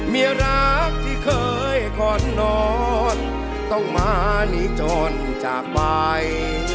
รักที่เคยก่อนนอนต้องมาหนีจนจากไป